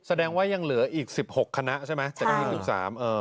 แสดงว่ายังเหลืออีก๑๖คณะใช่ไหมแต่ต้องอีก๑๓เออ